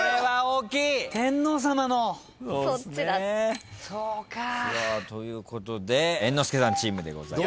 天皇さまの。ということで猿之助さんチームでございます。